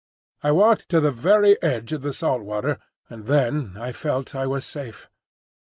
I walked to the very edge of the salt water, and then I felt I was safe.